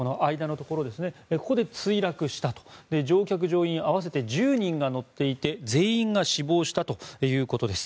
ここで墜落したと乗客・乗員合わせて１０人が乗っていて全員が死亡したということです。